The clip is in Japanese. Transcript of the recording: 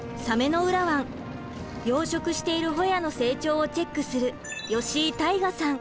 養殖しているホヤの成長をチェックする吉井大河さん